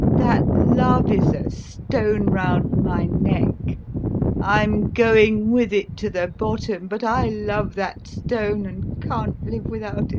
That love is a stone round my neck; I'm going with it to the bottom, but I love that stone and can't live without it.